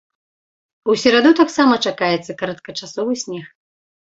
У сераду таксама чакаецца кароткачасовы снег.